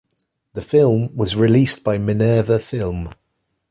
The film was released by Minerva Film.